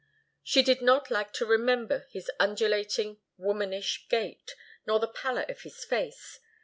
She did not like to remember his undulating, womanish gait, nor the pallor of his face.